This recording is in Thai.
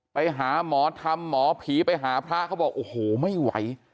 ไปหาหมอธรรมหมอผีไปหาพระเขาบอกโอ้โหไม่ไหว